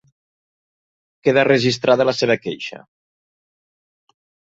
Queda registrada la seva queixa.